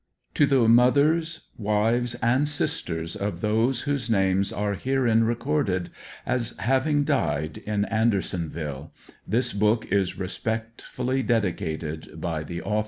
TO THE MOTHERS, WIVES AND SISTERS OF THOSE WHOSE NAMES ARE HEREIN RECORDED AS HAVING DIED — IN— ANDERSONVILLE, THIS BOOK IS RESPECTFULLY DEDICATED BY THE AUTHOR, ^' a^^^ ^ iz^dix^m^.